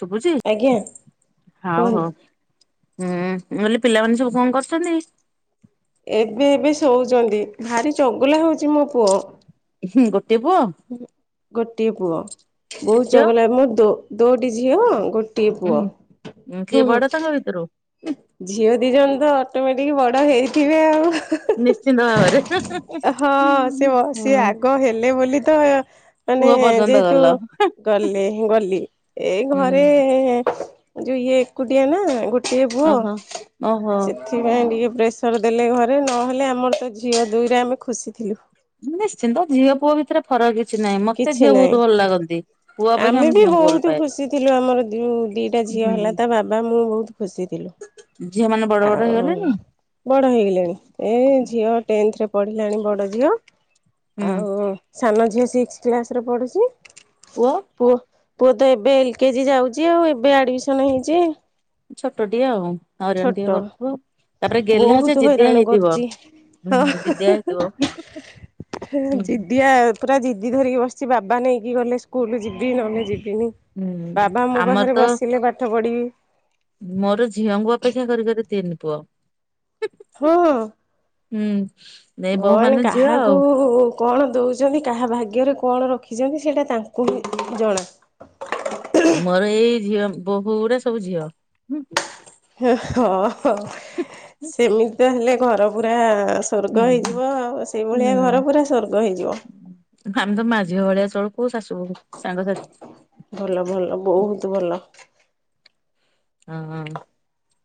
ଶୁଭୁଛି ଆଜ୍ଞା ହଉ ହଉ। କୁହନ୍ତୁ। ହୁଁ ମୁଁ କହିଲି ପିଲାମାନେ ସବୁ କଣ କରୁଛନ୍ତି? ଏବେ ଏବେ ଶୋଉଚନ୍ତି ଭାରି ଚଗଲା ହେଉଛି ମୋ ପୁଅ। ହୁଁ ଗୋଟେ ପୁଅ। ଟିଏ ପୁଅ ବହୁତ ଚଗଲା ବହୁତ ଦୋ ଦୋଟି ଝିଅ ଗୋ ଟି ପୁଅ ହୁଁ କିଏ ହୁଁ ବଡ ତାଙ୍କ ଭିତରୁ ଝିଅ ଦି ଜଣ ତ ଅଟୋମେଟ ଏତିକି ବଡ ହେଇଥିବେ ଆଉ। ନିଶ୍ଚିନ୍ତ ଭାବରେ। ହଁ ସେ ହୁଁ ବସି ଆଗ ହେଲେ ବୋଲି ତ ମାନେ ପୁଅ ପର୍ଯ୍ୟନ୍ତ ଯେହେତୁ ଗଲ ହୁଁ ଗଲେ ଗଲି ଏଇ ଘରେ। ଯୋଉ ଇଏ ଏକୁଟିଆ ନା ଗୋଟିଏ ପୁଅ ଓହୋ ଓହୋ ସେଥିପାଇଁ ଟିକେ ପ୍ରେସ୍। ପଛରେ ଦେଲେ ଘରେ ନହେଲେ ଆମର ତ ଝିଅ ଦୁଇରେ ଆମେ ଖୁସି ଥିଲୁ। ନିଶ୍ଚିନ୍ତ ଝିଅ ପୁଅ ଭିତରେ ଫରକ କିଛି ନାହିଁ ମତେ କିଛି ଝିଅ ନାହିଁ ବହୁତ ଭଲ ଲାଗନ୍ତି। ପୁଅ ଅପେକ୍ଷା ଆମେ ମୁଁ ବି ଝିଅଙ୍କୁ ଭଲ ବହୁତ ପାଏ ଖୁସି ଥିଲୁ ଆମର ଯୋଉ ଦିଟା ଝିଅ ହୁଁ ହେଲା ତା ବାବା ମୁଁ ବହୁତ ଖୁସି ଥିଲୁ। ଝିଅ ମାନେ ବଡ ବଡ ଆଉ ହେଇଗଲେଣି ବଡ ହେଇଗଲେଣି ଏ ଝିଅ ଟେନ୍ଥ ରେ ପଢ଼ିଲାଣି ବଡ଼ ଝିଅ ହୁଁ ଆଉ ସାନ ଝିଅ ସିକ୍ସ୍ କ୍ଲାସ୍ ରେ ପଢ଼ୁଛି ପୁଅ ପୁଅ ତ ଏବେ ଏଲ କେଜି ଯାଉଛି ଆଉ ଏବେ ଆଡ୍ମିସନ୍ ହେଇଛି ଛୋଟଟିଏ ଆଉ ହଇରାଣ୍ ଛୋଟ ଟିକେ କରୁଥିବ ତାପରେ ଗେଲ୍ଆ ବହୁତ ଯେ ଜିଦିଆ ହଇରାଣ ହେଇଥିବ କରୁଛି। ହଁ ଜିଦିଆ ହେଇଥିବ ହୁଁ ଜିଦିଆ ଆଉ ପୁରା ଜିଦି ଧରିକି ବସିଛି ବାବା ନେଇକି ଗଲେ ସ୍କୁଲ ଯିବି ନହେନେ ଯିବି ହୁଁ ବାବା ମୋ ଆମର ପାଖରେ ତ ବସିଲେ ପାଠ ପଢିବି ମୋର ଝିଅଙ୍କୁ ଅପେକ୍ଷା କରିକରି ତିନି ପୁଅ ହଁ ହୁଁ ଏଇ ବୋହୂ ଭଗବାନ ମାନେ ଝିଅ ଆଉ କାହାକୁ କଣ ଦେଉଛନ୍ତି କାହା ଭାଗ୍ୟରେ କଣ ରଖିଛନ୍ତି ସେଇଟା ତାଙ୍କୁ ହିଁ ଜଣା ମୋର ଏଇ ଝିଅ ବୋହୂ ଗୁଡା ସବୁ ଝିଅ ହଁ ହ ସେମିତି ତ ହେଲେ ଘର ପୁରା ହୁଁ ସ୍ଵର୍ଗ ହେଇଯିବ ଆଉ ସେଇଭଳିଆ ହୁଁ ଘର ପୁରା ସ୍ଵର୍ଗ ହେଇଯିବ ଆମେ ତ ମା ଝିଅ ଭଳିଆ ଚଳୁ କହୁ ଶାଶୁ ବୋହୂ ସାଙ୍ଗ ସାଥି ତୁ ଭଲ ହଁ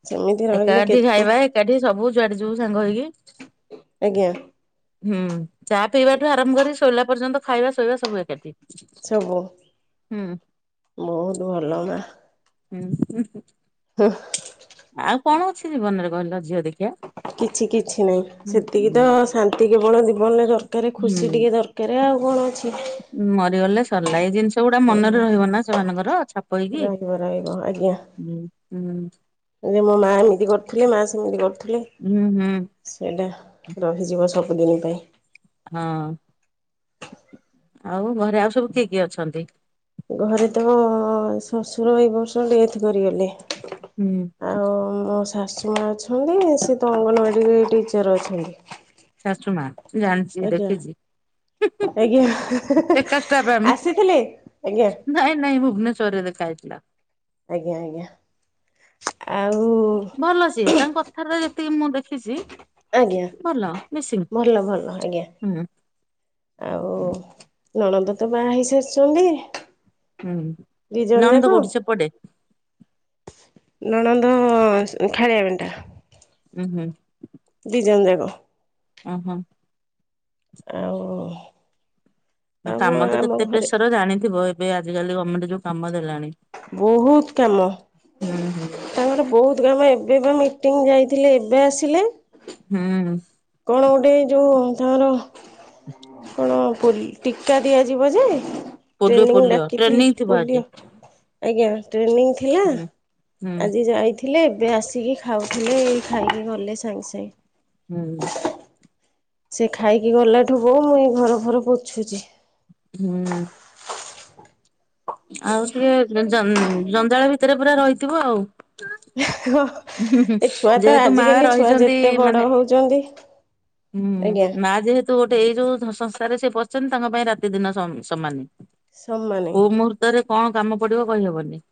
ସେମିତି ରହିଲେ ଏକାଠି କେତେ ଖାଇବା ଏକାଠି ସବୁ ଯୁଆଡେ ଯିବୁ ସାଙ୍ଗ ହେଇକି ଆଜ୍ଞା ହୁଁ ଚା ପିଇବାଠୁ ଆରମ୍ଭ କରି ଶୋଇଲା ପର୍ଯ୍ୟନ୍ତ ଖାଇବା ଶୋଇବା ସବୁ ଏକାଠି ସବୁ ହୁଁ ବହୁତ ଭଲ ମା ହୁଁ ହ ହଁ ଆଉ କଣ ଅଛି ଜୀବନରେ କହିଲ ଝିଅ ଦେଖିଆ କିଛି କିଛି ନାହିଁ ହୁଁ ସେତିକି ତ ଶାନ୍ତି କେବଳ ଜୀବନରେ ଦରକା ଦରକାର ଖୁସି ହୁଁ ଟିକେ ଦରକାର ଆଉ କଣ ଅଛି ମରିଗଲେ ସରିଲା ଏଇ ଜିନିଷ ସେଗୁଡା ମନରେ ରହିବ ନା ସେମାନଙ୍କର ଛାପ ହେଇକି ରହିବ ରହିବ ଆଜ୍ଞା ହଁ ଉ ଯେ ମୋ ମା ଏମିତି କରିୁଥିଲି ମା ସେମିତି କରୁଥିଲେ ହୁଁ ହୁଁ ସେଇଟା ରହିଯିବ ସବୁଦିନ ପାଇଁ ହଁ ଆଉ ଘରେ ଆଉ ସବୁ କିଏ କିଏ ଅଛନ୍ତି ଘରେ ତ ଶଶୁର ଏଇ ବର୍ଷ ଡେଥ୍ କରିଗଲେ ହୁଁ ଆଉ ମୋ ଶାଶୁ ମା ଅଛନ୍ତି ସେ ତ ଅଙ୍ଗନବାଡ଼ିରେ ଟିଚର୍ ଅଛନ୍ତି ଶାଶୁ ମା ମୁଁ ଜାଣିଛି ଆଜ୍ଞା ଦେଖିଛି ହୁଁ ହୁ ଆଜ୍ଞା ଏକା ଷ୍ଟାପ ଆମେ ଆସିଥିଲେ ଆଜ୍ଞା। ନାଇଁ ନାଇଁ ଭୁବନେଶ୍ୱରରେ ଦେଖାହେଇ ଥିଲା ଆଜ୍ଞା ଆଜ୍ଞା ଆ ଭଲ ସିଏ ତାଙ୍କ କଥାରେ ଯେତିକି ମୁଁ ଦେଖିଛି ଆଜ୍ଞା ଭଲ ମିସିଂ ଭଲ ଭଲ ଆଜ୍ଞା। ହୁଁ ଆଉ ନଣଦ ତ ବାହା ହେଇ ସାରିଛନ୍ତି। ହୁଁ ନଣନ୍ଦ କୋଉଠି ସେପଟେ ନଣନ୍ଦ ଖାଳିଆ ଭଣ୍ଟା ଉଁ ହୁଁ। ର୍ରହ ଓ ହୋ। ଆଉ ନା ଆମ କାମ ତ ଆମ କେତେ ଘରେ ପ୍ରେସର ଜାଣିଥିବ ଏବେ ଆଜିକାଲି ଗର୍ମେଣ୍ଟ ଯୋଉ କାମ ଦେଲାଣି ବହୁତ କାମ ହୁଁ ହୁଁ। ତାଙ୍କର ବହୁ ଗ ଏବେ ବା ମିଟିଂ ଯାଇଥିଲେ ଏବେ ଆସିଲେ। ହୁଁ। କଣ ଗୋଟେ ଯୋଉ ତାର କଣ ପ ଟୀକା ଦିଆଯିବ ଯେ ପୋଲିଓ ଟ୍ରେନିଂ ପୋଲିଓ ଡାକିଥିଲି ଟ୍ରେନିଂ ଥିବ ଆଜି ପୋଲିଓ ଆଜ୍ଞା ଟ୍ରେନିଂ ଥିଲା ହୁଁ। ହୁଁ ଆଜି ଯାଇଥିଲେ ଏବେ ଆସିକି ଖାଉଥିଲେ ଏ ଖାଇକି ଗଲେ ସାଙ୍ଗେ ହୁଁ ସାଙ୍ଗେ ସେ ଖାଇକି ଗଲା ଠୁ ବୋଉ ମୁଁ ଏଇ ଘର ଫର ପୋଛୁଛି। ହୁଁ। ଆଉ ଟିକେ ଜଞ୍ଜାଳ ଭିତରେ ପୁରା ରହିଥିବ ଆଉ। ହ ହୁଁ ହୁଁ ଏ ଛୁଆ ତ ଯେହେତୁ ମା ଆଜିକାଲି ଛୁଆ ରହିଛନ୍ତି ଯେତେ ବଡ ମାନେ ହୋଉଛନ୍ତି ହୁଁ ମା ଯେହେତୁ ଗୋଟେ ଏଇ ଯୋଉ ସଂସ୍ଥାରେରେ ସେ ପଛନ୍ତି ତାଙ୍କ ପାଇଁ ରାତି ଦିନ ସମାନ ସମାନେ କୋଉ ମୁହୂର୍ତ୍ତରେ କଣ କାମ ପଡିବ କହିହବନି।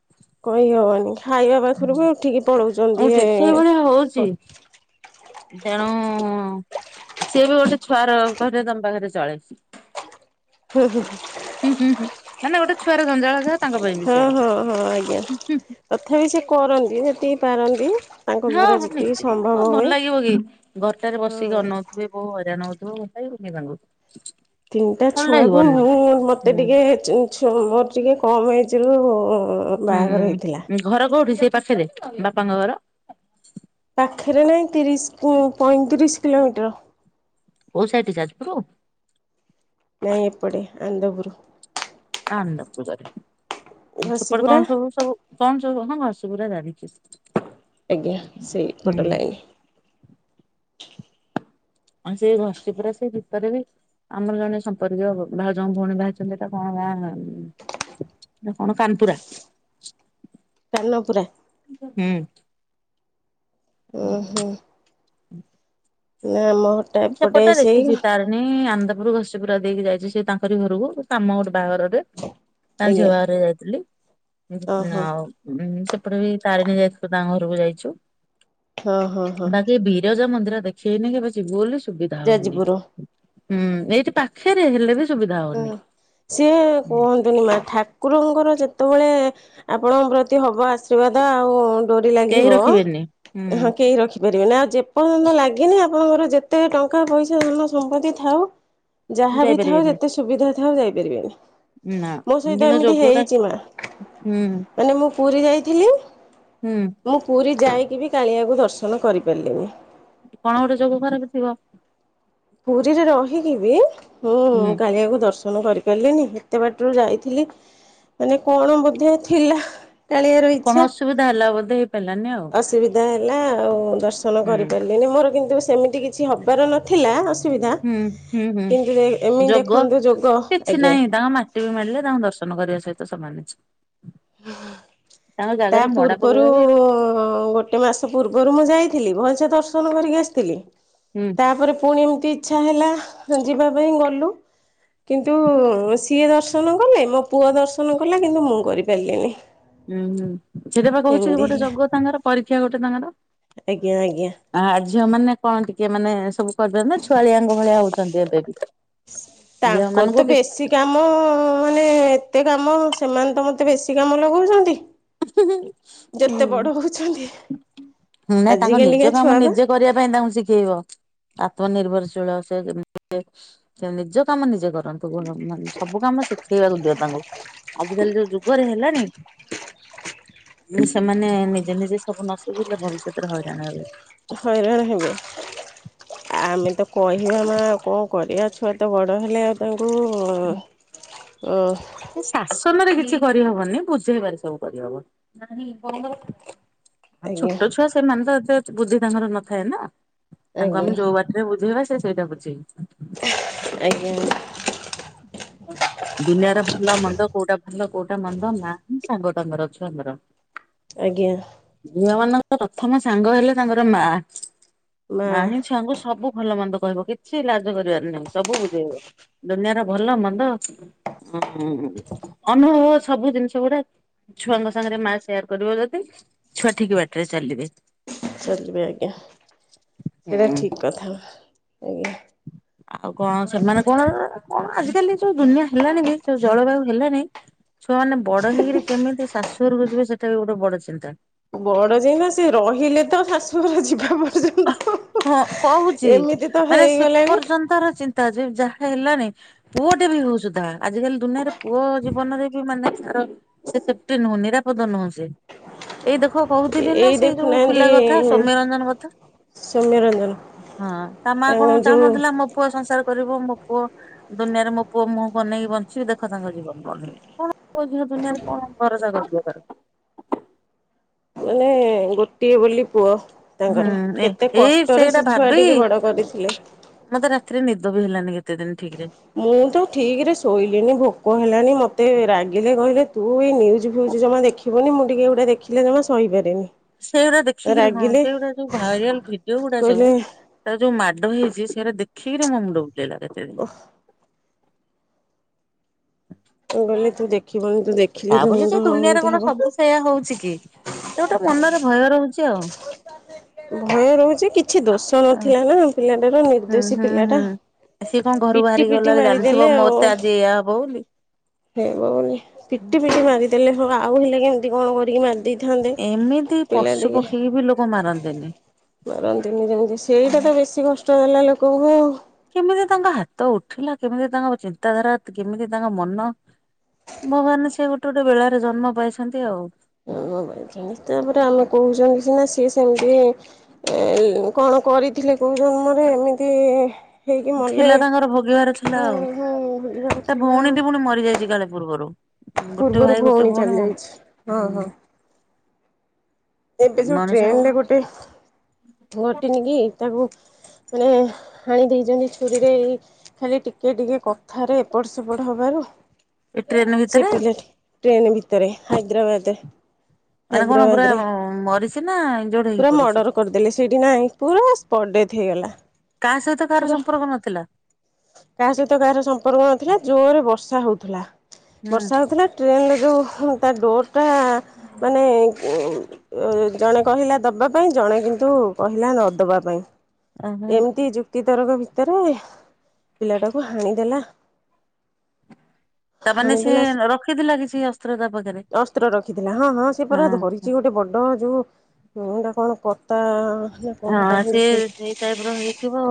କହି ହବନି ଖାଇବା ପାଖରୁ ବି ଉଠିକି ପଳଉଛନ୍ତି ଇଏ କହୁଛି ତେଣୁ ସିଏ ବି ଗୋଟେ ଛୁଆର ଘରେ ତମ ପାଖରେ ଚଳେଇଚି। ହୁଁ ହୁଁ ହୁଁ ମାନେ ଗୋଟେ ଛୁଆର ଗଞ୍ଜାଳ ଘର। ହଁ ହଁ ହଁ ଆଜ୍ଞା ତଥାପି ସେ କରନ୍ତି ସେତିକି ପାରନ୍ତି। ତାଙ୍କ ହଁ ଦ୍ଵାରା ହଁ ଯେତିକି ନିଶ୍ଚିତ ସମ୍ଭବ ହୁଏ। ଭଲ ଲାଗିବ କି ଘରଟାରେ ବସିକି ହଁ। ଅନଉଥିବେ ବୋଉ ହଇରାଣ ହଉଥ ମୁଠି କି ଉଠେ ତାଉଉଙ୍କୁ। ତିନିଟା ଛୁଆକୁ ମୁଁ ମତେ ଟିକେ ମୋର ଟିକେ କମ୍ ଏଜ ରୁ ହୁଁ ବାହାଘର ହେଇଥିଲା। ହୁଁ ଘର କୋଉଠି ସେ ପାଖରେ ବାପାଙ୍କ ଘର? ପାଖରେ ନହିଁ ତିରିଶ ପଇଁତିରିଶ କିଲୋମିଟର। କଉ ସୋଇଠି ଯ ଆାଜପୁର? ନାଇଁ ଏପଡ଼ ଆନ୍ଦ ଗୁରୁ। ନ୍ଦପଜରେ ଛପଟ ଘସିପୁରା କଣ ସବୁ ସବୁ କଣ ସବୁ ହଁ ଘସ ପୁରା ଜାଣିଛି। ଆଜ୍ଞା ସେଇ ଫଟୋ ହୁଁ ଲାଇନି। ଆଉ ସେଇ ଘସିଛି ପୁରା ସେଇ ଭପାରେ ବି ଆମର ଜଣେ ସମ୍ପର୍କୀୟ ଭାଇ ଭାଉଜଙ୍କ ଭଉଣୀ ଭାଇଛନ୍ତି ତା କଣ ହେଲା? ନା କଣ କାନପୁରା। କାନପୁର।। ହୁଁ। ଓୁଁ ହୁଁ ନାମ ଛପଟା ଦେଖିଛି ତାରିଣୀ ଆନ୍ଦପୁରରୁ ଘଷି ପୁର ଦେଇକି ଯାଇଛି ସେ ତାଙ୍କରି ଘରକୁ କାମ ଗୋଟେ ବାଘରରେ ତା ଝି଼ଅ ଆଜ୍ଞା। ବାଘାରେ ଯାଇଥିଲି ଓହୋ ଆଉ। ତାପରେ ବି ତାରିଣୀ ଯାଇଥୁ ତାଙ୍କ ଘରକୁ ଯାଇଛୁ। ହଁ ହଁ ହଁ। ବିରାଜ ମନ୍ଦିର ଦେଖେଇନି କିବେ ଯିବୁ ବୋଲି ସୁବିଧା ହଉନି। ଯାଜପୁର ହୁଁ ଏଇଠି ପାଖରେ ହେଲେ ବି ସୁବିଧା ହଉନି ହୁଁ ସିଏ କୁହନ୍ତୁନି ମା କୁକୁରଙ୍କର ଯେତେବେଳେ ଆପଣଙ୍କ ପ୍ରତି ହବ ଆଶୀର୍ବାଦ ଆଉ। ଡୋରି କେହି ଲାଗିବ ରଖିବେନି। ହଁ ହୁଁ କେହି ରଖିପାରିବେନି। ଆଉ ଯେପର୍ଯ୍ୟନ୍ତ ଲାଗିନି ଆପଣଙ୍କର ଯେତେ ଟଙ୍କା ପଇସା ଧନ ସମ୍ପତ୍ତି ଥାଉ। ଯାହାବି ଥାଉ ଯାଇପାରିବେନି ଯା ପାରିବନି ନା ମୋ ସହିତ କିନ୍ତୁ ଏମିତି ଯୋଗଟା ହେଇଚି। ହୁଁ ପୁରୀ ଯାଇଥିଲି। ହୁଁ ମୁଁ ପୁରୀ ଯାଇକି ବି କାଳିଆକୁ ଦର୍ଶନ କରିପାରିଲିନି। କଣ ଗୋଟେ ଯୋଗ ଖରାପ ଥିବ। ପୁରୀରେ ରହିକି ବି ହୁଁ କାଳିଆକୁ ଦର୍ଶ ଦ କରିପାରିଲିନି ଏତେ ବାଟରୁ ଯାଇଥିଲି। ମାନେ କଣ ବୋଧେ ଥିଲା। କାଳିଆର କଣ ଇଚ୍ଛା ଅସୁବିଧା ହେଲା ବୋଧେ ହେଇ ପାରିଲାନି ଆଉ। ଅସୁବିଧା ହେଲା ଆଉ ଦର୍ଶନ ହୁଁ କରିପାରିଲିନି ମୋର କିନ୍ତୁ ସେମିତି କିଛି ହବାର ନଥିଲା ଅ ହୁଁ ହୁଁ ହୁଁ ଯୋଗ ଦେଖନ୍ତୁ ଯୋଗ କିଛି ଆଜ୍ଞା ନାହିଁ ତାଙ୍କ ମାଟି ବି ମାରିଲେ ତାଙ୍କୁ ଦର୍ଶନ ନ କରିବା ସହିତ ସମାନ ଅଛି। ହୁଁ ହୁଁ। ତାଙ୍କ ତା ଜାଗାରେ ମଡା ପୂର୍ବରୁ ପକେଇବା ବି ଗୋଟେ ମାସ ପୂର୍ବରୁ ମୁଁ ଯାଇଥିଲି। ମ ସେ ଦର୍ଶନ କରିକି ଆସିଥିଲି। ହୁଁ ତାପରେ ପୁଣି ଏମିତି ଇଛା ହେଲା ଯିବା ପାଇଁ ଗଲୁ। କିନ୍ତୁ ସିଏ ଦର୍ଶନ କଲେ। ମୋ ପୁଅ ଦର୍ଶନ କଲା କିନ୍ତୁ ମୁଁ କରିପାରିଲିନି। ହୁଁ ହୁଁ। ସେଟା ବା କହୁଛି ଏମିତି ଗୋଟେ ହେଲା ଯୋଗ ତାଙ୍କର ପରୀକ୍ଷା ଗୋଟେ ଆଜ୍ଞା ଆଜ୍ଞା। ତାଙ୍କର ଝିଅ ମାନେ କଣ ଟିକେ ମାନେ ସବୁ କରି ଦେଲେ ଛୁଆଳିଆ ଭଳିଆ ହଉଛନ୍ତି ଏବେ ବି। ଝିଅ ତାଙ୍କର ମାନଙ୍କୁ ତ କି ବେଶୀ କାମ ମାନେ ଏତେ କାମ ମୁଁ ସେମାନେ ତ ମତେ ବେଶୀ କାମ ଲଗଉଛନ୍ତି। ଯେତେ ବଡ ହୁଁ। ହଉଛନ୍ତି ନାଇଁ ତାଙ୍କ ନିଜ ଆଜିକାଲିକା କାମ ଛୁଆ ବା ନିଜେ କରିବା ପାଇଁ ତାଙ୍କୁ ଶିଖେଇବ। ଆତ୍ମନିର୍ଭଶୀଳ [unintelligible] ସେ ନିଜ କାମ ନିଜେ କରନ୍ତୁ। ମାନେ ସବୁ କାମ ଶିଖେଇବା ଦିଅ ତାଙ୍କୁ ଆଜିିକାଲି ଯୋଉଁ ଯୁଗରେ ହେଲାନି ସେମାନେ ନିଜେ ନିଜେ ସବୁ ନ ଶିଖିଲେ ଭବିଷ୍ୟତରେ ହଇରାଣ ହେବେ। ହଇରାଣ ହେବେ ଆମେ ତ କହିବାନା କଣ କରିବା ଛୁଆ ତ ବଡ଼ କହିଲେ ଆଉ ତାଙ୍କୁ ଶାସନ ରେ କିଛି କରିହବନି। ବୁଝେଇବାରେ ସବୁ କରିହବ। ଆଜ୍ଞା ଛୋଟ ଛୁଆ ସେମାନେ ତ ଏତେ ବୁଦ୍ଧି ତାଙ୍କର ନଥାଏ ନା ତାଙ୍କୁ ଆଜ୍ଞା ଆମେ ଯୋଉଁ ବାଟରେ ବୁଝେଇବା ସେ ସେଇଟା ବୁଝିବେ। ଆଜ୍ଞା। ଦୁନିଆର ଭଲ ମନ୍ଦ କୋଉଁଟା ଭଲ କୋଉଁଟା ମନ୍ଦ ନାହିଁ ସାଙ୍ଗ ତାଙ୍କର ଛୁଆଙ୍କର ଆଜ୍ଞା। ଝିଅ ମାନଙ୍କ ପ୍ରଥମ ସାଙ୍ଗ ହେଲା ତାଙ୍କର ମା। ମା ହିଁ ଛୁଆଙ୍କୁ ସବୁ ଭଲ ମନ୍ଦ କହିବ କିଛି ଲାଜ କରିବାର ନାହିଁ। ସବୁ ବୁଝେଇବ ଦୁନିଆର ଭଲ ମନ୍ଦ ହୁଁ ହୁ ଅନୁଭବ ସବୁ ଜିନିଷ ଗୁଡା ଛୁଆଙ୍କ ସାଙ୍ଗରେ ମା ସେୟାର କରିବ ଯଦି ଛୁଆ ଠିକ ବାଟରେ ଚାଲିବେ। ଚାଲିବେ ଆଜ୍ଞା ପୁରା ହୁଁ। ଠିକ୍ କଥା। ଆଜ୍ଞା। ଆଉ କଣ ସେମାନେ କଣ କଣ ଆଜିକାଲି ଯୋଉଁ ଦୁନିଆ ହେଲାଣି ବି ଯୋଉଁ ଜଳବାୟୁ ହେଲାଣି ଛୁଆମାନେ ବଡ଼ ହେଇକରି କେମିତି ଶାଶୁ ଘରକୁ ଯିବେ ସେଟା ବି ଗୋଟେ ବଡ଼ ଚିନ୍ତା। ବଡ଼ ଯାଏଁ ସେ ରହିଲେ ତ ଶାଶୁ ଘର ଯିବା ପର୍ଯ୍ୟନ୍ତ। ହଁ କହୁଛି ଏମିତି ତ ମାନେ ସେ ଏ ହେଇଗଲାଣି ପର୍ଯ୍ୟନ୍ତର ଚିନ୍ତା ଯେ ଯାହା ହେଲାନି ପୁଅ ଟେ ବି ହଉ ସୁଧା ଆଜିକାଲି ଦୁନିଆରେ ପୁଅ ଜୀବନରେ ବି ମାନେ ତାର ସେ ସେଫ୍ଟି ନୁହଁ। ନିରାପଦ ନୁହଁ ସେ ଏଇ ଦେଖ ଦୁଖ କହୁଥିଲି ନା ଏଇ ସେ ଯୋଉଁ ଦେଖୁନାହାନ୍ତି ପିଲା କଥା ସୌମ୍ୟରଞ୍ଜନ କଥା ସୌମ୍ୟରଞ୍ଜନ ହଁ ତା ମା ତାଙ୍କ କଣ ଯୋଉ ଚାହୁଁନଥିଲା ମୋ ପୁଅ ସଂସାର କରିବ ମୋ ପୁଅ ଦୁନିଆରେ ମୋ ପୁଅ ମୁହଁ କୁ ଅନେଇକି ବଞ୍ଚିବି ଦେଖ ତାଙ୍କ ଜୀବନ କଣ ହେଇଗଲା କଣ [unintelligible] ଦୁନିଆରେ କଣ ଭରସା କରିବ ତାକୁ। ମାନେ ଗୋଟେ ଗୋଟିଏ ବୋଲି ପୁଅ ତାଙ୍କର ହୁଁ ଏ କେତେ ଏଇ କଷ୍ଟରେ ସେଇଟା ସେ ଛୁଆ ଭାବି ଟିକି ବଡ଼ କରିଥିଲେ। ମତେ ରାତିରେ ନିଦ ବି ହେଲାନି କେତେ ଦିନ। ଠିକ ରେ ମୁଁ ତ ଠିକ ରେ ଶୋଇଲିନି ଭୋକ ହେଲାନି ମତେ ରାଗିଲେ କହିଲେ ତୁ ଏ ନ୍ୟୁଜ ଫ୍ୟୁଜ୍ ଜମା ଦେଖିବୁନ ମୁଁ ଟିକେ ଏଗୁଡା ଦେଖିଲେ ଜମା ସହିପାରେନି। ସେଇଗୁଡା ଦେଖିକିରି ହଁ ରାଗିଲେ ସେଇଗୁଡା ଯୋଉ ଭାଇରାଲ ଭିଡିଓ ଗୁଡା କହିଲେ ସବୁ ତା ଯୋଉ ମା ଡ ହେଇଛି ସେଇଗୁଟା ଦେଖିକିରି ମୋ ମୁଣ୍ଡ ବୁଲେଇଲା କେତେ ଦିନ। ଓହ ମୁଁ କହିଲି ତୁ ଦେଖିବୁନୁ। ତା ବୋଲି ଯେ ଦୁନିଆରେ କଣ ସବୁ ସେୟା ହଉଛି କି ଗୋଟେ ମନରେ ଭୟ ରହୁଛି ଆଉ। ଭୟ ରହୁଛି କିଛି ଦୋଷ ନଥିଲା ନା ପିଲାଟାର ହୁଁ ନିର୍ଦ୍ଦୋଷୀ ହୁଁ ହୁଁ ପିଲାଟା। ସିଏ କଣ ଘରୁ ପିଟି ବାହାରିକି ପିଟି ଗଲା ଜାଣିଥିବ ମାରିଦେଲେ ଆଉ ମୋତେ ଆଜି ଏୟା ହବ ବୋଲି। ହେବ ବୋଲି ପିଟି ପିଟି ମାରିଦେଲେ ଆଉ ହେଲେ କେମିତି କଣ କରିକି ମାରିଦେ ଏମିତି ପଶୁ ପକ୍ଷୀ ବି ଲୋକ ମାରନ୍ତେନି। ମାରନ୍ତିନି ଯେମିତି ସେଇଟା ତ ବେଶୀ କଷ୍ଟ ଦେଲା ଲୋକଙ୍କୁ। କେମିତି ତାଙ୍କ ହାତ ଉଠିଲା କେମିତି ତାଙ୍କ ଚିନ୍ତାଧାରା କେମିତି ତାଙ୍କ ମନ? ମୋ ମାନେ ସିଏ ଗୋଟେ ଗୋଟେ ବେଳାରେ ଜନ୍ମ ପାଇଛନ୍ତି ଆଉ। ମୋବାଇଲ ସେମିତି ତାପରେ ଆମେ କହୁଛନ୍ତି ସିନା ସିଏ ସେମିତି ଏ କଣ କରିଥିଲେ କଉ ଜନ୍ମରେ ଏମିତି ହେଇକି ମଲେ ଥିଲା ତାଙ୍କର ଭୋଗିବାର ଥିଲା ହୁଁ ଆଉ ହୁଁ ମରିବାର ତା ଥିଲା ଆଉ। ଭଉଣୀଟି ପୁଣି ମରିଯାଇଛି କାଳେ ପୂର୍ବରୁ। ଗୋଟେ ପୂର୍ବରୁ ଭାଇ ଗୋଟେ ଭଉଣୀ ଚାଲି ଯାଇଛି ହଁ ହଁ। ଏବେ ଯୋଉ ମଣିଷ ଟ୍ରେନ ରେ ଗୋଟେ ଘଟିନି କି ତାକୁ ମାନେ ହାଣି ଦେଇଛନ୍ତି ଛୁରୀରେ ଏଇ ଖାଲି ଟିକେ ଟିକେ କଥାରେ ଏପଟ ସେପଟ ହବା ହୁ। ଏ ଟ୍ରେନ ଭିତରେ? ଟ୍ରେନ ଭିତରେ ହାଇଦ୍ରାବାଦେ। ମାନେ କଣ ପୁରା ଅଁ। ପୁରା ମର୍ଡର କରିଦେଲେ ସେଇଠି ନାଇ ପୁରା ସ୍ପଟ ଡେଥ ହେଇଗଲା। କା ସହିତ କାହାର ପୁରା ସମ୍ପର୍କ ନଥିଲା। କାହା ସହିତ କାହାର ସମ୍ପର୍କ ନଥିଲା ଜୋରରେ ବର୍ଷା ହଉ ଥିଲା ହୁଁ ବର୍ଷା ହଉଥିଲା ଟ୍ରେନରେ ଯଉ ତା ଡୋରଟା ମାନେ ଇ ଜଣେ କହିଲା ଦବା ପାଇଁ ଜଣେ କିନ୍ତୁ କହିଲା ନଦବା ପାଇଁ। ଏମିତି ଯୁକ୍ତି ତରକ ଭ ଭିତରେ ପିଲାଟାକୁ ହାଣିଦେଲା। ତାମାନେ ସେ ହାଣିଦେଲା ରଖିଥିଲା କିଛି ଅସ୍ତ୍ର ତା ପାଖରେ ଅସ୍ତ୍ର ରଖିଥିଲା ହଁ ହଁ ସେ ପରା ଧରିଛି ଗୋଟେ ବ ବଡ଼ ଯଉ ଏଇଟା କଣ କତା। ନା ହଁ କଣ ସେ କହନ୍ତି ସେଇ ଟାଇପ ର ହେଇଥିବ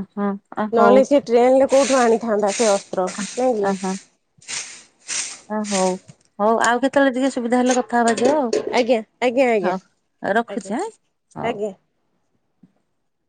ଓହୋ। ନହେଲେ ସେ ଟ୍ରେନ ରେ କୋଉଠୁ ଆଣିଥାନ୍ତା ସେ ଅସ୍ତ୍ର ନାହିଁ କି? ଓ ହଉ ହଉ ଆଉ କେତେବେଳେ ଟିକେ ସୁବିଧା ହେଲେ କ କଥା ହବା ଯେ ଆଉ ଆଜ୍ଞା ଆଜ୍ଞା ଆଜ୍ଞା ହଉ ଆଜ୍ଞା ରଖୁଛି ଆଁ ହଉ। ଆଜ୍ଞା [inaudible]